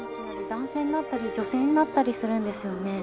男性になったり女性になったりするんですよね？